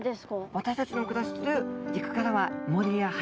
私たちの暮らしてる陸からは森や林の栄養ですね。